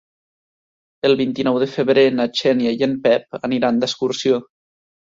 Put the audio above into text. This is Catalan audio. El vint-i-nou de febrer na Xènia i en Pep aniran d'excursió.